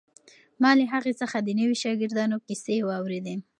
ما له هغې څخه د نویو شاګردانو کیسې واورېدې.